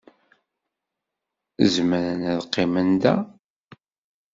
Zemren ad qqimen da.